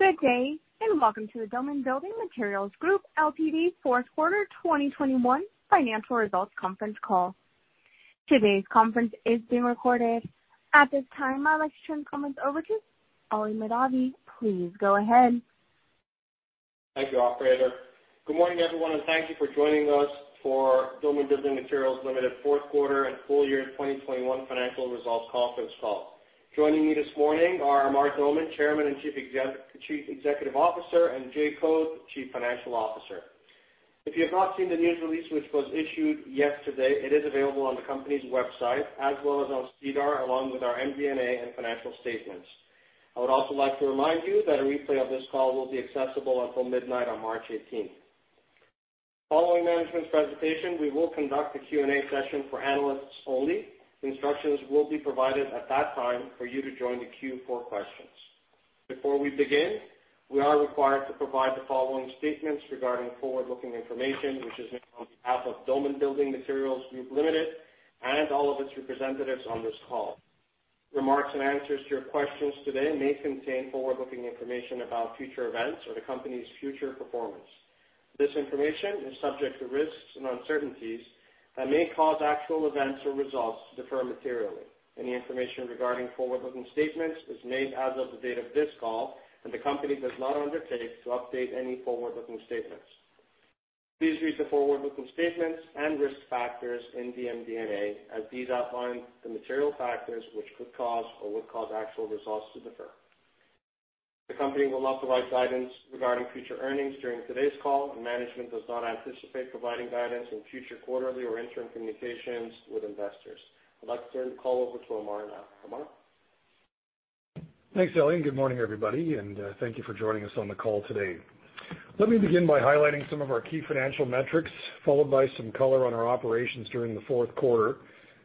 Good day, and welcome to the Doman Building Materials Group Ltd. fourth quarter 2021 financial results conference call. Today's conference is being recorded. At this time, I'd like to turn comments over to Ali Mahdavi. Please go ahead. Thank you, operator. Good morning, everyone, and thank you for joining us for Doman Building Materials Group Ltd. Q4 and full year 2021 financial results conference call. Joining me this morning are Amar Doman, Chairman and Chief Executive Officer, and James Code, Chief Financial Officer. If you have not seen the news release which was issued yesterday, it is available on the company's website as well as on SEDAR, along with our MD&A and financial statements. I would also like to remind you that a replay of this call will be accessible until midnight on March 18. Following management's presentation, we will conduct a Q&A session for analysts only. Instructions will be provided at that time for you to join the queue for questions. Before we begin, we are required to provide the following statements regarding forward-looking information, which is made on behalf of Doman Building Materials Group Ltd. and all of its representatives on this call. Remarks and answers to your questions today may contain forward-looking information about future events or the company's future performance. This information is subject to risks and uncertainties that may cause actual events or results to differ materially. Any information regarding forward-looking statements is made as of the date of this call, and the company does not undertake to update any forward-looking statements. Please read the forward-looking statements and risk factors in the MD&A as these outline the material factors which could cause or would cause actual results to differ. The company will not provide guidance regarding future earnings during today's call, and management does not anticipate providing guidance in future quarterly or interim communications with investors. I'd like to turn the call over to Amar now. Amar? Thanks, Ali, and good morning, everybody, and thank you for joining us on the call today. Let me begin by highlighting some of our key financial metrics, followed by some color on our operations during the fourth quarter,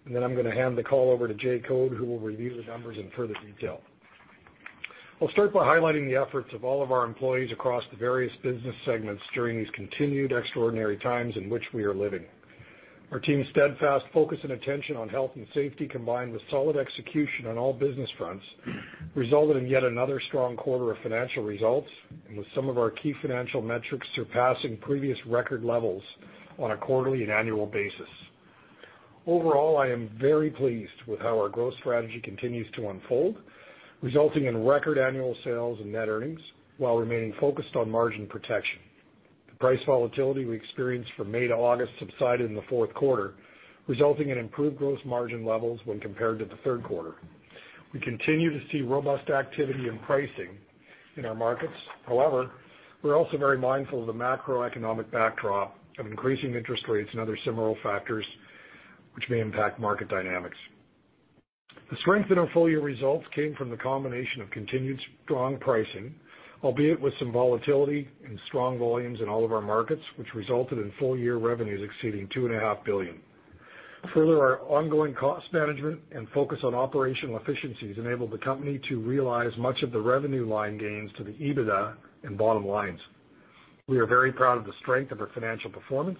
and then I'm gonna hand the call over to James Code, who will review the numbers in further detail. I'll start by highlighting the efforts of all of our employees across the various business segments during these continued extraordinary times in which we are living. Our team's steadfast focus and attention on health and safety, combined with solid execution on all business fronts, resulted in yet another strong quarter of financial results and with some of our key financial metrics surpassing previous record levels on a quarterly and annual basis. Overall, I am very pleased with how our growth strategy continues to unfold, resulting in record annual sales and net earnings while remaining focused on margin protection. The price volatility we experienced from May to August subsided in the fourth quarter, resulting in improved gross margin levels when compared to the third quarter. We continue to see robust activity and pricing in our markets. However, we're also very mindful of the macroeconomic backdrop of increasing interest rates and other similar factors which may impact market dynamics. The strength in our full-year results came from the combination of continued strong pricing, albeit with some volatility and strong volumes in all of our markets, which resulted in full year revenues exceeding 2.5 billion. Further, our ongoing cost management and focus on operational efficiencies enabled the company to realize much of the revenue line gains to the EBITDA and bottom lines. We are very proud of the strength of our financial performance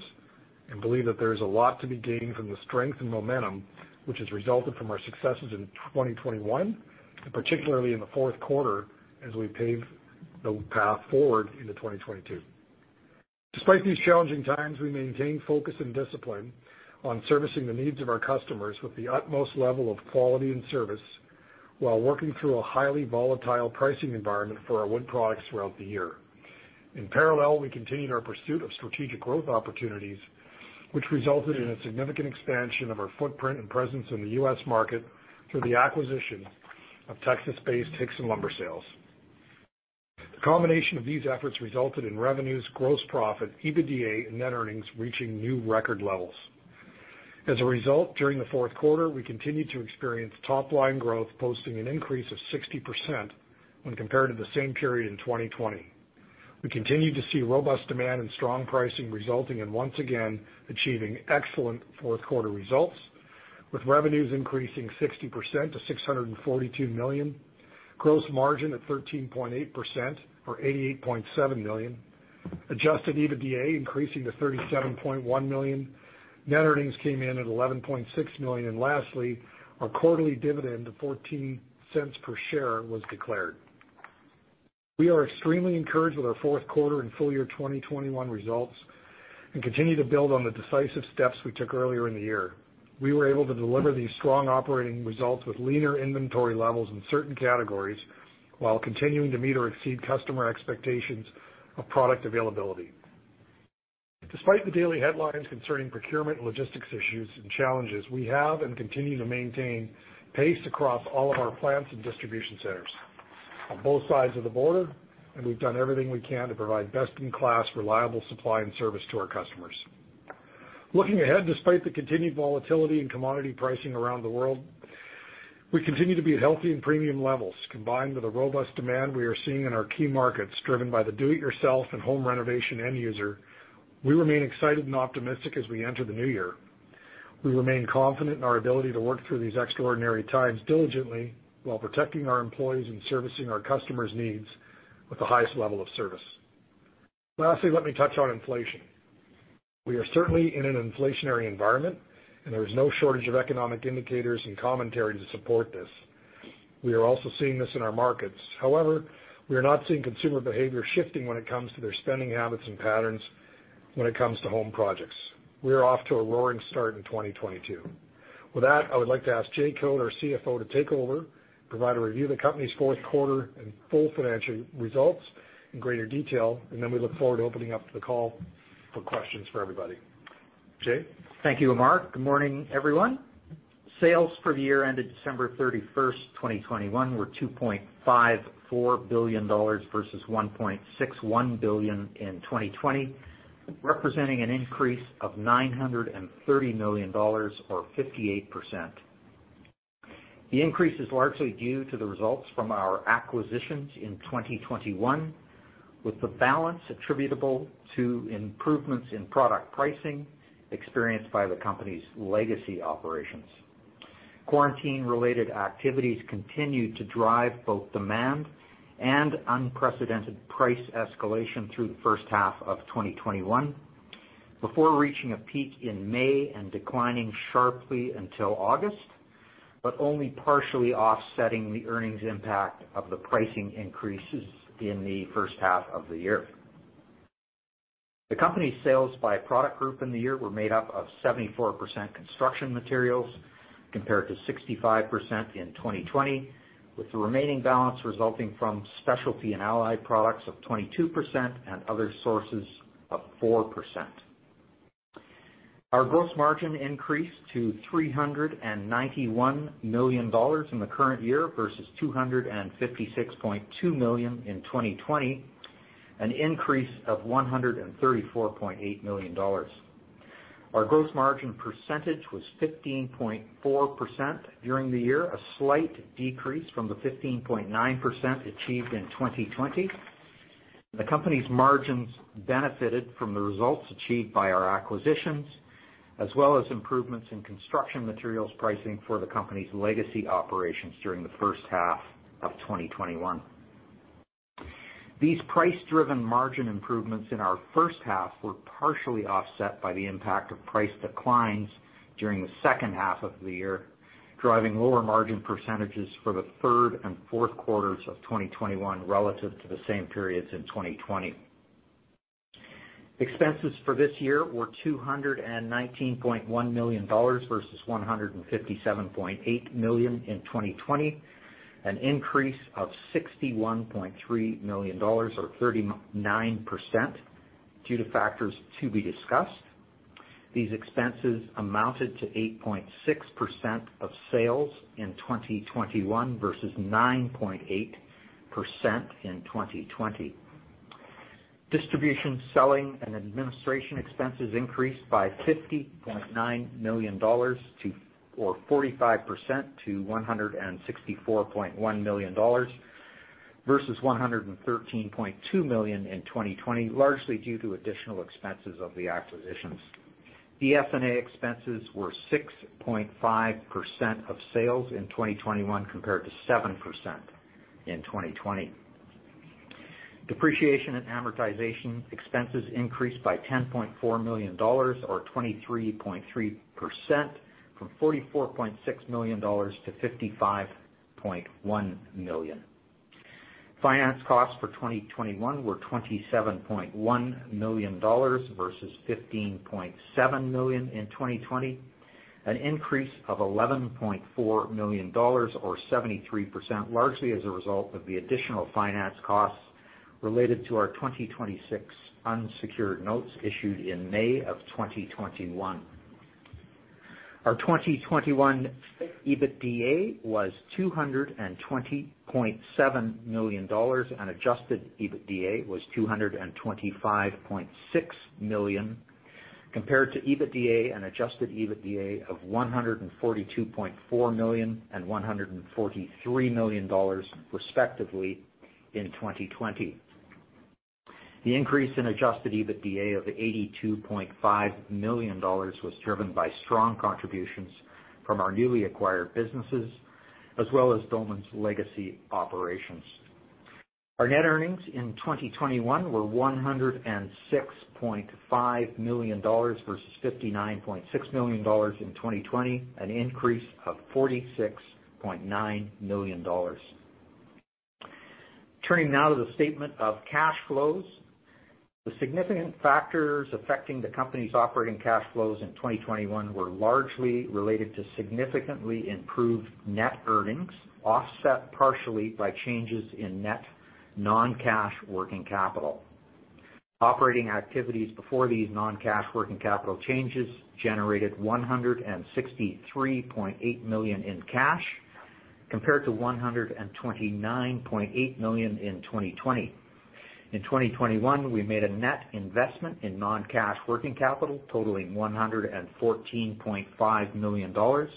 and believe that there is a lot to be gained from the strength and momentum which has resulted from our successes in 2021, and particularly in the fourth quarter as we pave the path forward into 2022. Despite these challenging times, we maintain focus and discipline on servicing the needs of our customers with the utmost level of quality and service while working through a highly volatile pricing environment for our wood products throughout the year. In parallel, we continued our pursuit of strategic growth opportunities, which resulted in a significant expansion of our footprint and presence in the U.S. market through the acquisition of Texas-based Hixson Lumber Sales. The combination of these efforts resulted in revenues, gross profit, EBITDA, and net earnings reaching new record levels. As a result, during the fourth quarter, we continued to experience top-line growth, posting an increase of 60% when compared to the same period in 2020. We continued to see robust demand and strong pricing resulting in once again achieving excellent fourth quarter results with revenues increasing 60% to 642 million, gross margin at 13.8% or 88.7 million, adjusted EBITDA increasing to 37.1 million. Net earnings came in at 11.6 million. Lastly, our quarterly dividend of 0.14 per share was declared. We are extremely encouraged with our fourth quarter and full year 2021 results and continue to build on the decisive steps we took earlier in the year. We were able to deliver these strong operating results with leaner inventory levels in certain categories while continuing to meet or exceed customer expectations of product availability. Despite the daily headlines concerning procurement, logistics issues, and challenges, we have and continue to maintain pace across all of our plants and distribution centers on both sides of the border, and we've done everything we can to provide best-in-class reliable supply and service to our customers. Looking ahead, despite the continued volatility in commodity pricing around the world, we continue to be at healthy and premium levels. Combined with the robust demand we are seeing in our key markets, driven by the do-it-yourself and home renovation end user, we remain excited and optimistic as we enter the new year. We remain confident in our ability to work through these extraordinary times diligently while protecting our employees and servicing our customers' needs with the highest level of service. Lastly, let me touch on inflation. We are certainly in an inflationary environment, and there is no shortage of economic indicators and commentary to support this. We are also seeing this in our markets. However, we are not seeing consumer behavior shifting when it comes to their spending habits and patterns when it comes to home projects. We are off to a roaring start in 2022. With that, I would like to ask James Code, our CFO, to take over, provide a review of the company's fourth quarter and full financial results in greater detail, and then we look forward to opening up the call for questions for everybody. Jay? Thank you, Amar. Good morning, everyone. Sales for the year ended December 31, 2021 were 2.54 billion dollars versus 1.61 billion in 2020, representing an increase of 930 million dollars or 58%. The increase is largely due to the results from our acquisitions in 2021, with the balance attributable to improvements in product pricing experienced by the company's legacy operations. Quarantine-related activities continued to drive both demand and unprecedented price escalation through the first half of 2021 before reaching a peak in May and declining sharply until August, but only partially offsetting the earnings impact of the pricing increases in the first half of the year. The company's sales by product group in the year were made up of 74% construction materials compared to 65% in 2020, with the remaining balance resulting from specialty and allied products of 22% and other sources of 4%. Our gross margin increased to 391 million dollars in the current year versus 256.2 million in 2020, an increase of 134.8 million dollars. Our gross margin percentage was 15.4% during the year, a slight decrease from the 15.9% achieved in 2020. The company's margins benefited from the results achieved by our acquisitions, as well as improvements in construction materials pricing for the company's legacy operations during the first half of 2021. These price-driven margin improvements in our first half were partially offset by the impact of price declines during the second half of the year, driving lower margin percentages for the third and fourth quarters of 2021 relative to the same periods in 2020. Expenses for this year were 219.1 million dollars versus 157.8 million in 2020, an increase of 61.3 million dollars or 39% due to factors to be discussed. These expenses amounted to 8.6% of sales in 2021 versus 9.8% in 2020. Distribution, selling, and administration expenses increased by 50.9 million dollars or 45% to 164.1 million dollars versus 113.2 million in 2020, largely due to additional expenses of the acquisitions. The DS&A expenses were 6.5% of sales in 2021 compared to 7% in 2020. Depreciation and amortization expenses increased by 10.4 million dollars or 23.3%, from 44.6 million dollars to 55.1 million. Finance costs for 2021 were 27.1 million dollars versus 15.7 million in 2020, an increase of 11.4 million dollars or 73%, largely as a result of the additional finance costs related to our 2026 unsecured notes issued in May of 2021. Our 2021 EBITDA was 220.7 million dollars, and adjusted EBITDA was 225.6 million, compared to EBITDA and adjusted EBITDA of 142.4 million and 143 million dollars, respectively, in 2020. The increase in adjusted EBITDA of 82.5 million dollars was driven by strong contributions from our newly acquired businesses, as well as Doman's legacy operations. Our net earnings in 2021 were 106.5 million dollars versus 59.6 million dollars in 2020, an increase of 46.9 million dollars. Turning now to the statement of cash flows. The significant factors affecting the company's operating cash flows in 2021 were largely related to significantly improved net earnings, offset partially by changes in net non-cash working capital. Operating activities before these non-cash working capital changes generated 163.8 million in cash compared to 129.8 million in 2020. In 2021, we made a net investment in non-cash working capital totaling 114.5 million dollars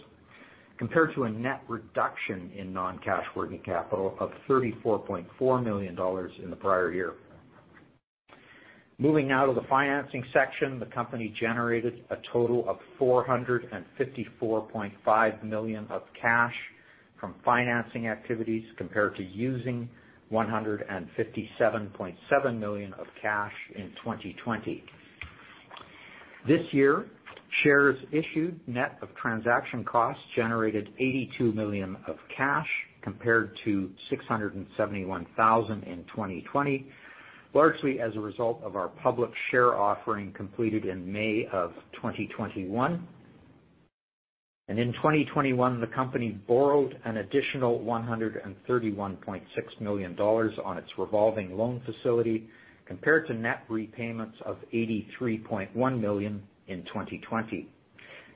compared to a net reduction in non-cash working capital of 34.4 million dollars in the prior year. Moving now to the financing section. The company generated a total of 454.5 million of cash from financing activities compared to using 157.7 million of cash in 2020. This year, shares issued net of transaction costs generated 82 million of cash compared to 671 thousand in 2020, largely as a result of our public share offering completed in May of 2021. In 2021, the company borrowed an additional 131.6 million dollars on its revolving loan facility compared to net repayments of 83.1 million in 2020.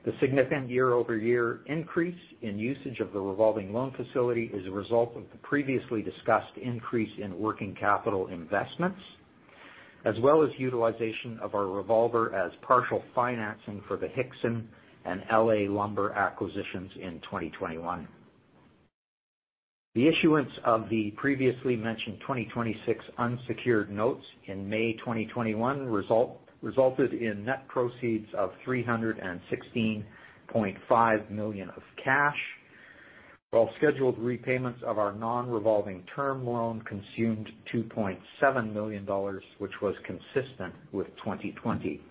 The significant year-over-year increase in usage of the revolving loan facility is a result of the previously discussed increase in working capital investments, as well as utilization of our revolver as partial financing for the Hixson and L.A. Lumber acquisitions in 2021. The issuance of the previously mentioned 2026 unsecured notes in May 2021 resulted in net proceeds of 316.5 million of cash, while scheduled repayments of our non-revolving term loan consumed 2.7 million dollars, which was consistent with 2020.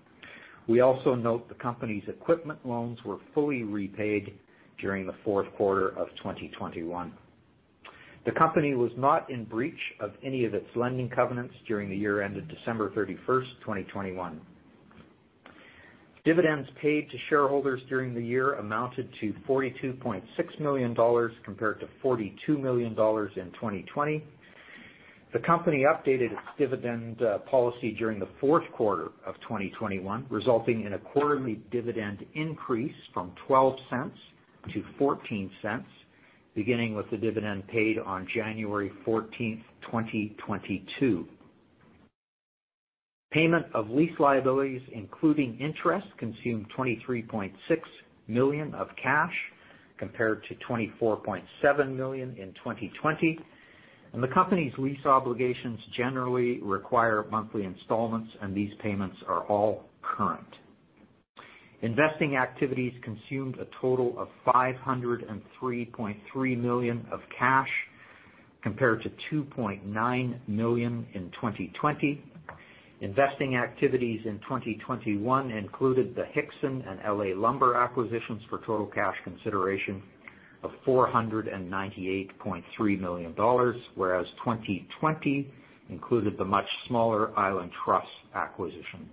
We also note the company's equipment loans were fully repaid during the fourth quarter of 2021. The company was not in breach of any of its lending covenants during the year ended December 31, 2021. Dividends paid to shareholders during the year amounted to 42.6 million dollars compared to 42 million dollars in 2020. The company updated its dividend policy during the fourth quarter of 2021, resulting in a quarterly dividend increase from 0.12 to 0.14, beginning with the dividend paid on January 14, 2022. Payment of lease liabilities, including interest, consumed 23.6 million of cash compared to 24.7 million in 2020. The company's lease obligations generally require monthly installments, and these payments are all current. Investing activities consumed a total of 503.3 million of cash compared to 2.9 million in 2020. Investing activities in 2021 included the Hixson and L.A. Lumber acquisitions for total cash consideration of $498.3 million, whereas 2020 included the much smaller Island Truss acquisition.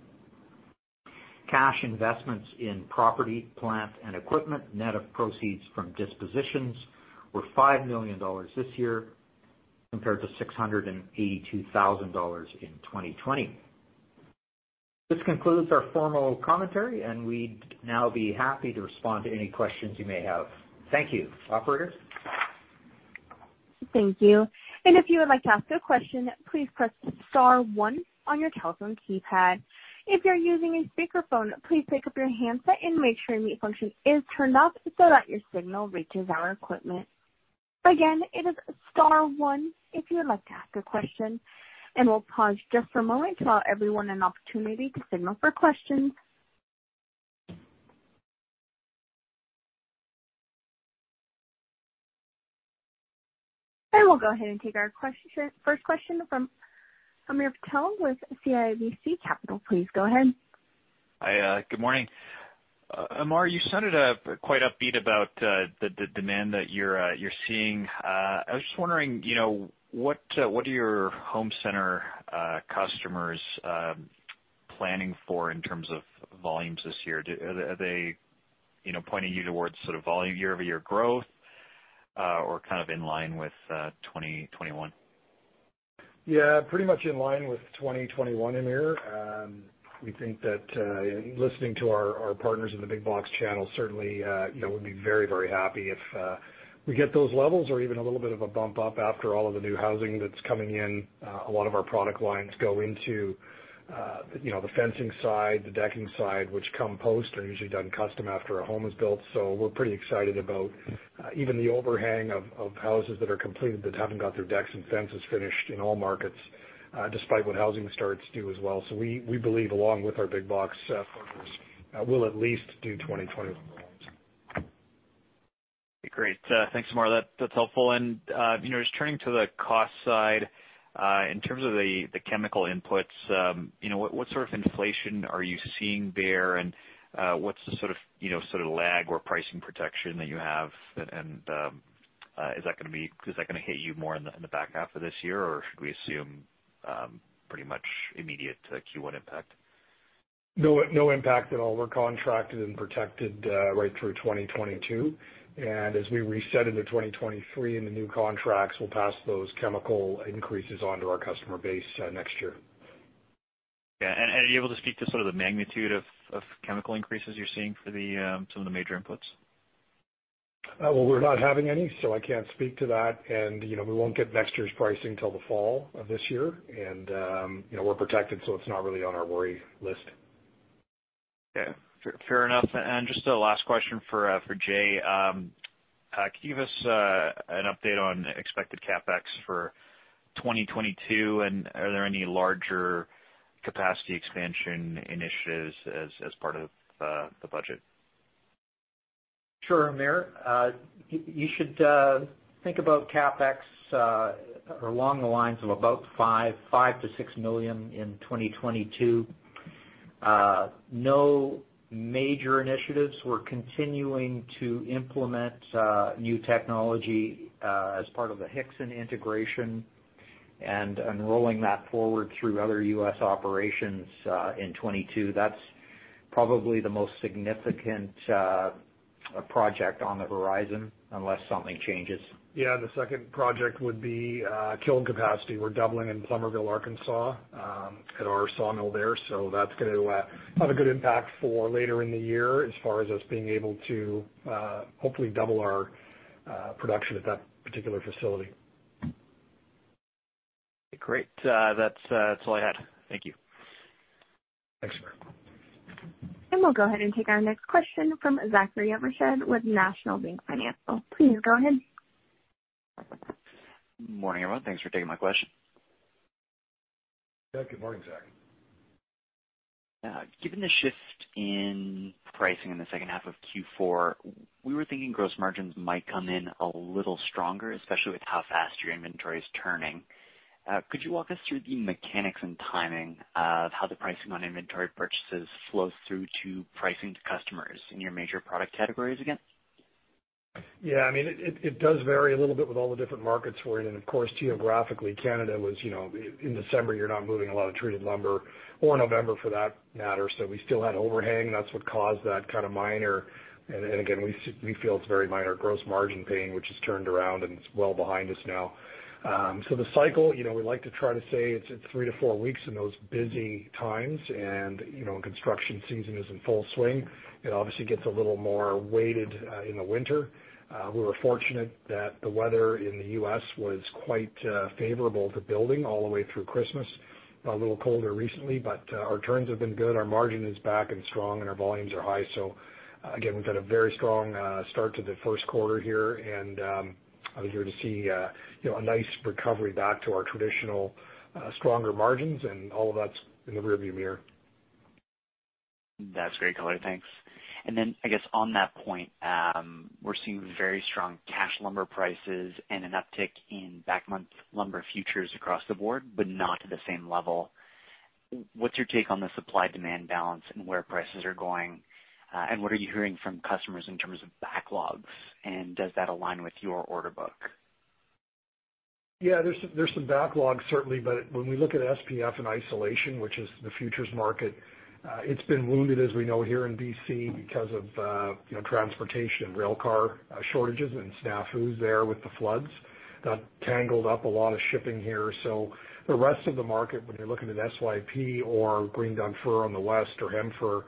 Cash investments in property, plant, and equipment, net of proceeds from dispositions, were 5 million dollars this year compared to 682,000 dollars in 2020. This concludes our formal commentary, and we'd now be happy to respond to any questions you may have. Thank you. Operator? Thank you. If you would like to ask a question, please press star one on your telephone keypad. If you're using a speakerphone, please pick up your handset and make sure mute function is turned off so that your signal reaches our equipment. Again, it is star one if you would like to ask a question, and we'll pause just for a moment to allow everyone an opportunity to signal for questions. We'll go ahead and take our first question from Hamir Patel with CIBC Capital Markets. Please go ahead. Hi. Good morning. Amar, you sounded quite upbeat about the demand that you're seeing. I was just wondering, you know, what are your home center customers planning for in terms of volumes this year? Are they, you know, pointing you towards sort of volume year-over-year growth, or kind of in line with 2021? Yeah, pretty much in line with 2021, Aamir. We think that, listening to our partners in the big box channel, certainly, you know, we'll be very, very happy if we get those levels or even a little bit of a bump up after all of the new housing that's coming in. A lot of our product lines go into, you know, the fencing side, the decking side, which are usually done custom after a home is built. We're pretty excited about even the overhang of houses that are completed that haven't got their decks and fences finished in all markets, despite what housing starts do as well. We believe along with our big box partners, we'll at least do 2021. Great. Thanks, Amar. That's helpful. You know, just turning to the cost side, in terms of the chemical inputs, you know, what sort of inflation are you seeing there? What's the sort of, you know, sort of lag or pricing protection that you have? Is that gonna hit you more in the back half of this year? Or should we assume pretty much immediate to Q1 impact? No, no impact at all. We're contracted and protected right through 2022. As we reset into 2023 in the new contracts, we'll pass those chemical increases onto our customer base next year. Yeah. Are you able to speak to sort of the magnitude of chemical increases you're seeing for some of the major inputs? Well, we're not having any, so I can't speak to that. You know, we won't get next year's pricing till the fall of this year. You know, we're protected, so it's not really on our worry list. Okay. Fair, fair enough. Just a last question for Jay. Can you give us an update on expected CapEx for 2022, are there any larger capacity expansion initiatives as part of the budget? Sure, Amir. You should think about CapEx along the lines of about 5 million-6 million in 2022. No major initiatives. We're continuing to implement new technology as part of the Hixson integration and rolling that forward through other U.S. operations in 2022. That's probably the most significant project on the horizon unless something changes. Yeah, the second project would be kiln capacity. We're doubling in Plumerville, Arkansas, at our sawmill there. That's gonna have a good impact for later in the year as far as us being able to hopefully double our production at that particular facility. Great. That's all I had. Thank you. Thanks, Amir. We'll go ahead and take our next question from Zachary Evershed with National Bank Financial. Please go ahead. Morning, everyone. Thanks for taking my question. Yeah. Good morning, Zach. Given the shift in pricing in the second half of Q4, we were thinking gross margins might come in a little stronger, especially with how fast your inventory is turning. Could you walk us through the mechanics and timing of how the pricing on inventory purchases flows through to pricing to customers in your major product categories again? I mean, it does vary a little bit with all the different markets we're in. Of course, geographically, Canada was, you know, in December, you're not moving a lot of treated lumber or November for that matter. We still had overhang. That's what caused that kind of minor gross margin pain, which has turned around and it's well behind us now. The cycle, you know, we like to try to say it's at 3-4 weeks in those busy times. You know, construction season is in full swing. It obviously gets a little more weighted in the winter. We were fortunate that the weather in the U.S. was quite favorable to building all the way through Christmas. A little colder recently, but our turns have been good, our margin is back and strong, and our volumes are high. So again, we've got a very strong start to the first quarter here, and I'm here to see, you know, a nice recovery back to our traditional stronger margins and all of that's in the rearview mirror. That's great, Colin. Thanks. I guess on that point, we're seeing very strong cash lumber prices and an uptick in back month lumber futures across the board, but not to the same level. What's your take on the supply demand balance and where prices are going? What are you hearing from customers in terms of backlogs, and does that align with your order book? Yeah, there are some backlogs certainly, but when we look at SPF in isolation, which is the futures market, it's been wounded, as we know, here in BC because of transportation, rail car shortages and snafus there with the floods that tangled up a lot of shipping here. The rest of the market, when you're looking at SYP or green Doug fir on the west or Hem-Fir,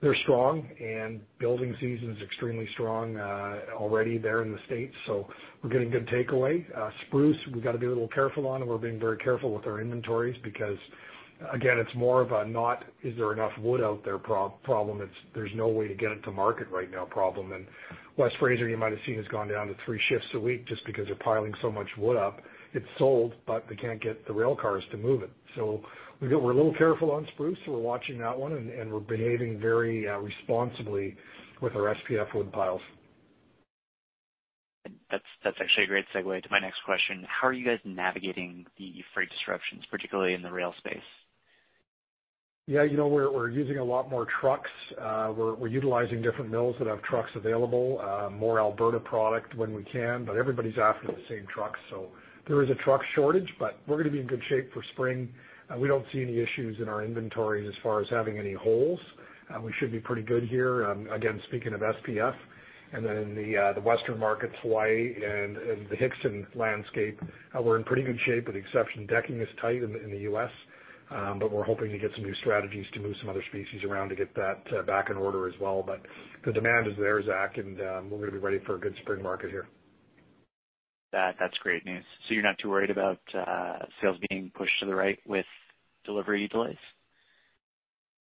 they're strong and building season is extremely strong already there in the States, so we're getting good takeaway. Spruce we've got to be a little careful on, and we're being very careful with our inventories because, again, it's more of a not is there enough wood out there problem, it's there's no way to get it to market right now problem. West Fraser, you might have seen, has gone down to three shifts a week just because they're piling so much wood up. It's sold, but they can't get the rail cars to move it. We're a little careful on spruce. We're watching that one, and we're behaving very responsibly with our SPF woodpiles. That's actually a great segue to my next question. How are you guys navigating the freight disruptions, particularly in the rail space? Yeah. You know, we're using a lot more trucks. We're utilizing different mills that have trucks available, more Alberta product when we can, but everybody's after the same truck. There is a truck shortage, but we're gonna be in good shape for spring. We don't see any issues in our inventories as far as having any holes. We should be pretty good here. Again, speaking of SPF and then the Western market, Hawaii and the Hixson landscape, we're in pretty good shape with the exception decking is tight in the U.S., but we're hoping to get some new strategies to move some other species around to get that back in order as well. The demand is there, Zach, and we're gonna be ready for a good spring market here. That's great news. You're not too worried about sales being pushed to the right with delivery delays?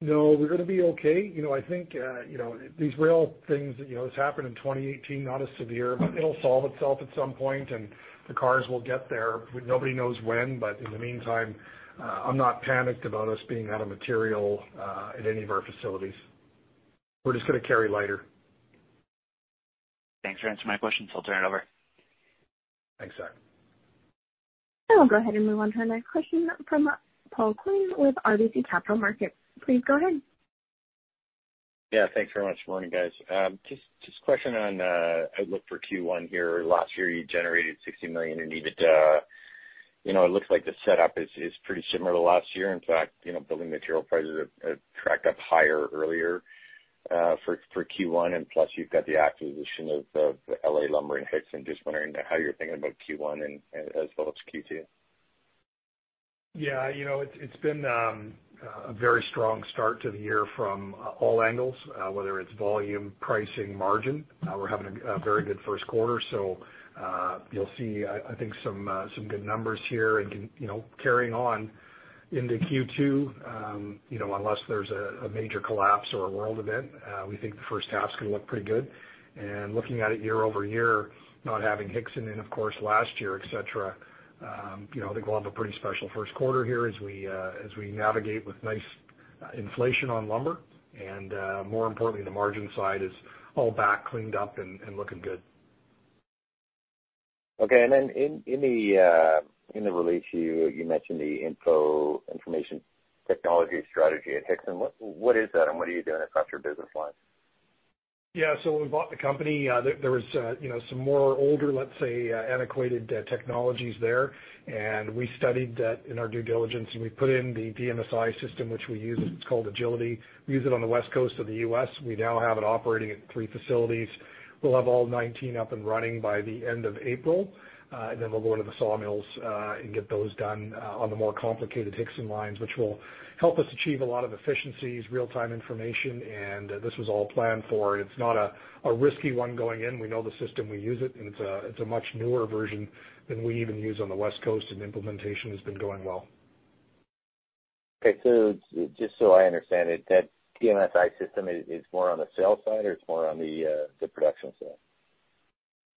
No, we're gonna be okay. You know, I think, you know, these rail things, you know, has happened in 2018, not as severe, but it'll solve itself at some point, and the cars will get there. But nobody knows when. But in the meantime, I'm not panicked about us being out of material, at any of our facilities. We're just gonna carry lighter. Thanks for answering my questions. I'll turn it over. Thanks, Zach. I'll go ahead and move on to our next question from Paul Quinn with RBC Capital Markets. Please go ahead. Yeah. Thanks very much. Morning, guys. Just question on outlook for Q1 here. Last year, you generated 60 million. You know, it looks like the setup is pretty similar to last year. In fact, you know, building material prices have tracked up higher earlier for Q1, and plus you've got the acquisition of L.A. Lumber and Hixson. Just wondering how you're thinking about Q1 and as well as Q2. Yeah. You know, it's been a very strong start to the year from all angles, whether it's volume, pricing, margin. We're having a very good first quarter. So, you'll see, I think some good numbers here, you know, carrying on into Q2, unless there's a major collapse or a world event, we think the first half's gonna look pretty good. Looking at it year-over-year, not having Hixson in, of course, last year, et cetera, you know, I think we'll have a pretty special first quarter here as we navigate with nice inflation on lumber and, more importantly, the margin side is all back cleaned up and looking good. Okay. In the release, you mentioned the information technology strategy at Hixson. What is that, and what are you doing across your business lines? Yeah. When we bought the company, there was, you know, some more older, let's say, antiquated technologies there. We studied that in our due diligence, and we put in the DMSi system which we use. It's called Agility. We use it on the West Coast of the U.S. We now have it operating at three facilities. We'll have all 19 up and running by the end of April, and then we'll go into the sawmills, and get those done, on the more complicated Hixson lines, which will help us achieve a lot of efficiencies, real-time information. This was all planned for. It's not a risky one going in. We know the system, we use it, and it's a much newer version than we even use on the West Coast, and implementation has been going well. Okay. Just so I understand it, that DMSI system is more on the sales side or it's more on the production side?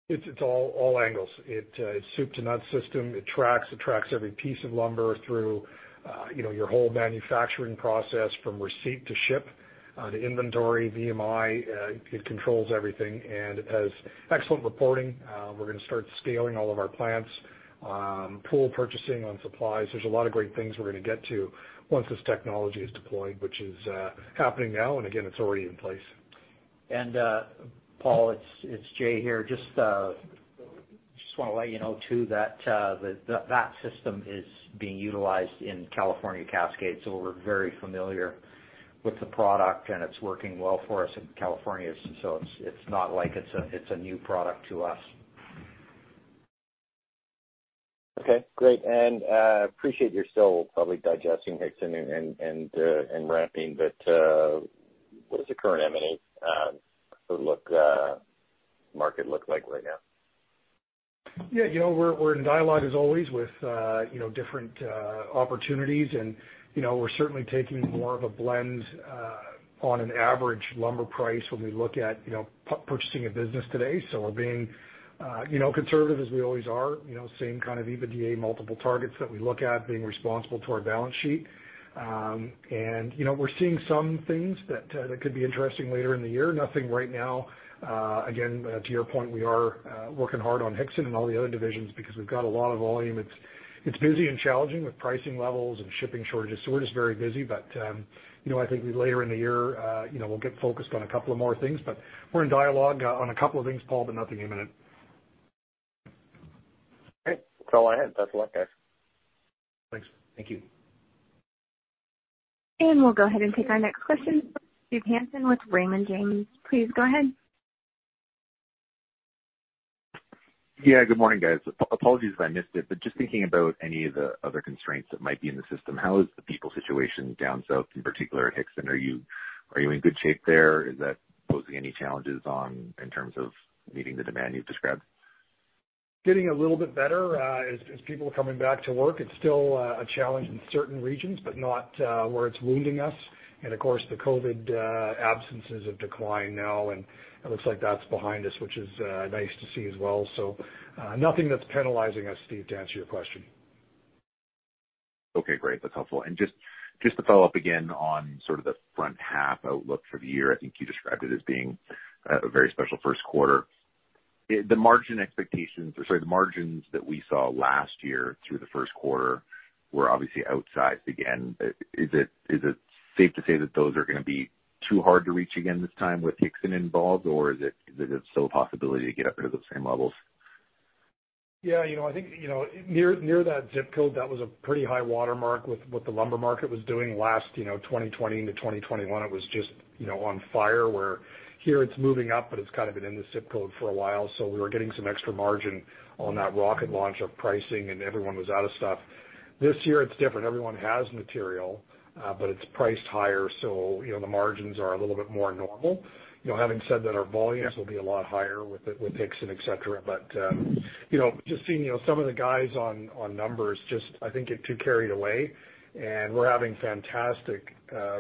It's all angles. It's soup to nuts system. It tracks every piece of lumber through, you know, your whole manufacturing process from receipt to ship to inventory, VMI. It controls everything and has excellent reporting. We're gonna start scaling all of our plants, pool purchasing on supplies. There's a lot of great things we're gonna get to once this technology is deployed, which is happening now. Again, it's already in place. Paul, it's Jay here. Just wanna let you know too that that system is being utilized in California Cascade. So we're very familiar with the product, and it's working well for us in California. So it's not like it's a new product to us. Okay, great. I appreciate you're still probably digesting Hixson and ramping, but what does the current M&A market look like right now? Yeah, you know, we're in dialogue as always with different opportunities and, you know, we're certainly taking more of a blend on an average lumber price when we look at purchasing a business today. We're being conservative as we always are, you know, same kind of EBITDA multiple targets that we look at being responsible to our balance sheet. You know, we're seeing some things that could be interesting later in the year. Nothing right now. Again, to your point, we are working hard on Hixson and all the other divisions because we've got a lot of volume. It's busy and challenging with pricing levels and shipping shortages. We're just very busy. you know, I think later in the year, you know, we'll get focused on a couple of more things. We're in dialogue on a couple of things, Paul, but nothing imminent. Okay. That's all I had. Best of luck, guys. Thanks. Thank you. We'll go ahead and take our next question, Steve Hansen with Raymond James. Please go ahead. Yeah. Good morning, guys. Apologies if I missed it, but just thinking about any of the other constraints that might be in the system, how is the people situation down south in particular at Hixson? Are you in good shape there? Is that posing any challenges in terms of meeting the demand you've described? Getting a little bit better, as people are coming back to work. It's still a challenge in certain regions, but not where it's wounding us. Of course, the COVID absences have declined now, and it looks like that's behind us, which is nice to see as well. Nothing that's penalizing us, Steve, to answer your question. Okay, great. That's helpful. Just to follow up again on sort of the front half outlook for the year. I think you described it as being a very special first quarter. The margin expectations or sorry, the margins that we saw last year through the first quarter were obviously outsized again. Is it safe to say that those are gonna be too hard to reach again this time with Hixson involved, or is it still a possibility to get up to those same levels? Yeah. You know, I think, you know, near that zip code, that was a pretty high watermark with what the lumber market was doing last, you know, 2020 to 2021, it was just, you know, on fire, where here it's moving up, but it's kind of been in the zip code for a while. We were getting some extra margin on that rocket launch of pricing and everyone was out of stuff. This year it's different. Everyone has material, but it's priced higher. You know, the margins are a little bit more normal. You know, having said that, our volumes will be a lot higher with Hixson, etc. You know, just seeing, you know, some of the guys on numbers just, I think, a bit too carried away. We're having fantastic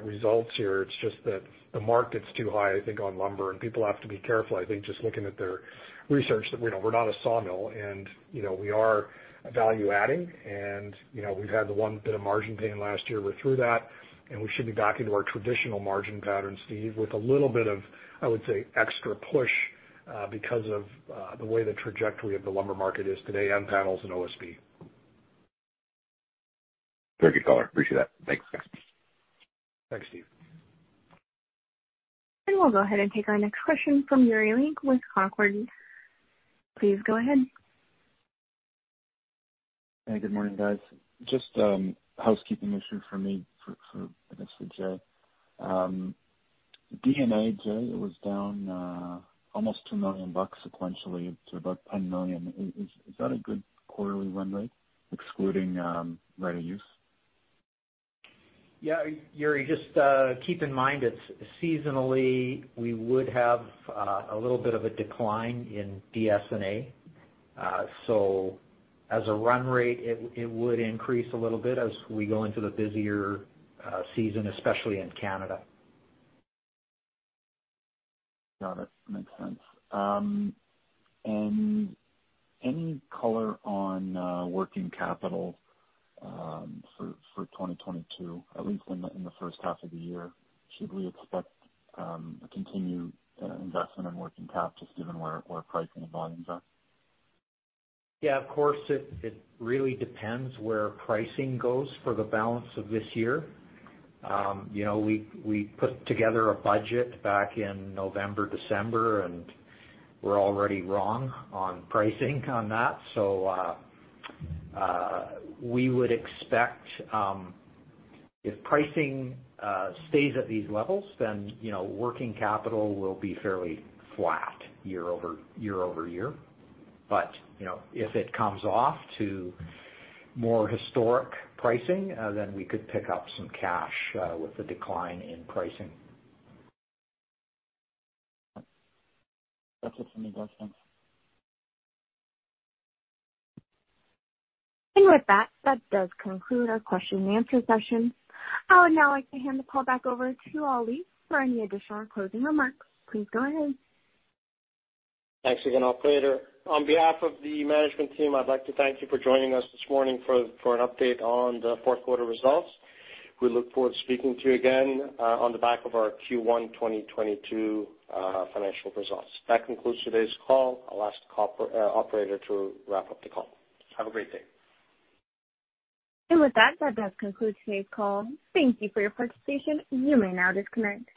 results here. It's just that the market's too high, I think, on lumber, and people have to be careful. I think just looking at their research that we're not a sawmill and, you know, we are value-adding and, you know, we've had the one bit of margin pain last year. We're through that, and we should be back into our traditional margin patterns, Steve, with a little bit of, I would say, extra push, because of the way the trajectory of the lumber market is today on panels and OSB. Very good color. Appreciate that. Thanks, guys. Thanks, Steve. We'll go ahead and take our next question from Yuri Lynk with Canaccord Genuity. Please go ahead. Hey, good morning, guys. Just housekeeping issue for me, I guess for Jay. D&A, Jay, it was down almost $2 million sequentially to about $10 million. Is that a good quarterly run rate excluding rate of use? Yeah, Yuri, just keep in mind it's seasonally we would have a little bit of a decline in DS&A. As a run rate, it would increase a little bit as we go into the busier season, especially in Canada. Got it. Makes sense. Any color on working capital for 2022, at least in the first half of the year? Should we expect a continued investment in working cap just given where pricing and volumes are? Yeah, of course, it really depends where pricing goes for the balance of this year. You know, we put together a budget back in November, December, and we're already wrong on pricing on that. We would expect, if pricing stays at these levels, then, you know, working capital will be fairly flat year-over-year. You know, if it comes off to more historic pricing, then we could pick up some cash with the decline in pricing. That's it for me. Thanks. With that does conclude our question and answer session. I would now like to hand the call back over to Ali for any additional closing remarks. Please go ahead. Thanks again, operator. On behalf of the management team, I'd like to thank you for joining us this morning for an update on the fourth quarter results. We look forward to speaking to you again on the back of our Q1 2022 financial results. That concludes today's call. I'll ask operator to wrap up the call. Have a great day. With that does conclude today's call. Thank you for your participation. You may now disconnect.